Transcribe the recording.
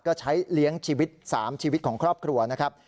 ก็ใช้เลี้ยงชีวิต๓ชีวิตของครอบครัวนะครับ